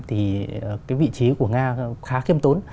thì vị trí của nga khá khiêm tốn